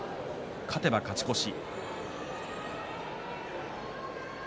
勝てば勝ち越し。